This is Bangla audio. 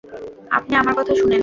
আপনি আমার কথা শুনেন।